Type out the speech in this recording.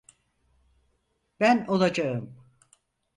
Ben olacağım.